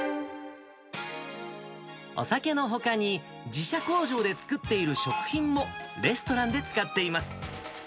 お酒のほかに、自社工場で作っている食品も、レストランで使っています。